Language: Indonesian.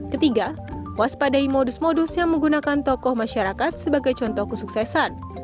ketiga waspadai modus modus yang menggunakan tokoh masyarakat sebagai contoh kesuksesan